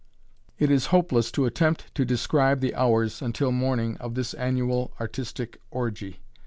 It is hopeless to attempt to describe the hours until morning of this annual artistic orgy.